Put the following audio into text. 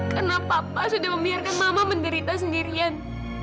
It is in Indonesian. karena papa sudah membiarkan mama menderita sendirian